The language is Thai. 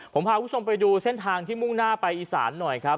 ผมพาคุณผู้ชมไปดูเส้นทางที่มุ่งหน้าไปอีสานหน่อยครับ